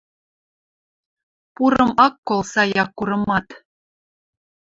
Пурым ак кол саяк курымат.